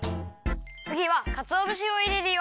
つぎはかつおぶしをいれるよ。